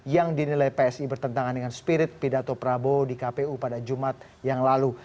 yang dinilai psi bertentangan dengan spirit pidato prabowo di kpu pada jumat yang lalu